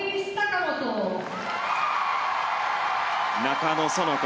中野園子